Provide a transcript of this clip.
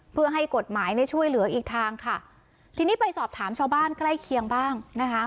เพื่อให้กฎหมายในช่วยเหลืออีกทางค่ะทีนี้ไปสอบถามชาวบ้านใกล้เคียงบ้างนะคะ